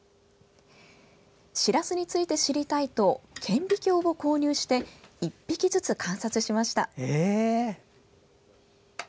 しらすについて知りたいと顕微鏡を購入して１匹ずつ、観察しました。